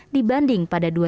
dibanding pada di jepang